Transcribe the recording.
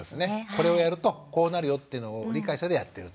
これをやるとこうなるよっていうのを理解したうえでやってると。